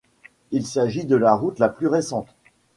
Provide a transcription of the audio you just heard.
Il s'agit de la route la plus récente.